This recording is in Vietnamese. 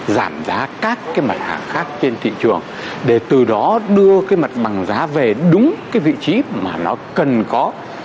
giảm giá các cái mặt hàng khác trên thị trường để từ đó đưa cái mặt bằng giá về đúng cái vị trí mà nó cần có